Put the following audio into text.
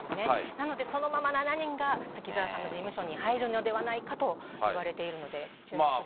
なので、そのまま７人が、滝沢さんの事務所に入るのではないかと言われているので注目です